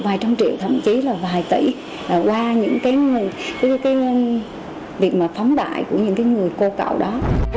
vài trăm triệu thậm chí là vài tỷ qua những cái việc mà phóng đại của những cái người cô cậu đó